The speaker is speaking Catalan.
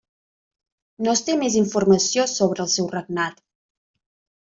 No es té més informació sobre el seu regnat.